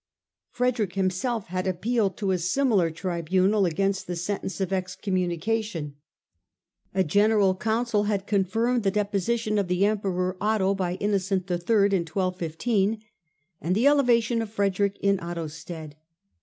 Frederick himself had appealed to a similar tribunal against the sentence of excommunication. A General Council had confirmed the deposition of the Emperor Otho by Innocent III in 1215 and the elevation of Frederick in Otho's stead.